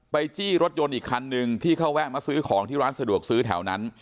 จี้รถยนต์อีกคันนึงที่เขาแวะมาซื้อของที่ร้านสะดวกซื้อแถวนั้น